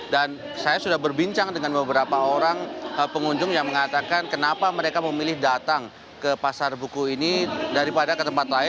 dan saya sudah berbincang dengan beberapa orang pengunjung yang mengatakan kenapa mereka memilih datang ke pasar buku ini daripada ke tempat lain